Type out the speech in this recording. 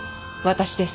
私です。